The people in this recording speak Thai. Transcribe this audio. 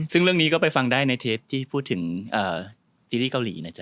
ซึ่งเรื่องนี้ก็ไปฟังได้ในเทปที่พูดถึงซีรีส์เกาหลีนะจ๊